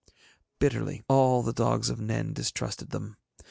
Bitterly all the dogs of Nen distrusted them.